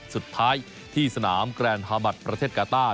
สุดท้ายที่สนามแกรนฮามัติประเทศกาต้า